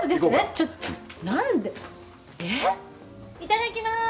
いただきます！